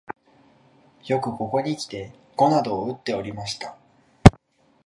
よくここにきて碁などをうっておりました